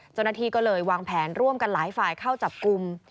เจ้าหน้าที่ก็เลยวางแผนร่วมกันหลายฝ่ายเข้าจับกลุ่ม